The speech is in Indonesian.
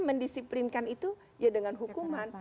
mendisiplinkan itu ya dengan hukuman